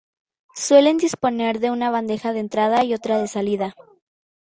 Suelen disponer de una bandeja de entrada y otra de salida.